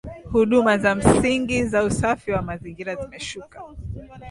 Huduma za msingi za usafi wa mazingira zimeshuka